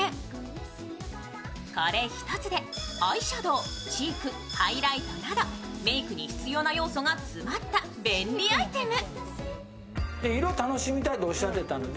これ１つでアイシャドウ、ハイライト、チークなどメークに必要な要素が詰まった便利アイテム。